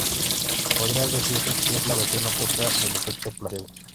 Podría decirse que es la versión opuesta del efecto placebo.